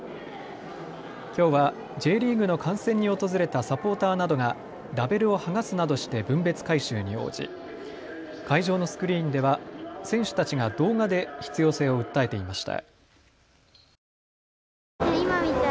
きょうはＪリーグの観戦に訪れたサポーターなどがラベルを剥がすなどして分別回収に応じ会場のスクリーンでは選手たちが動画で必要性を訴えていました。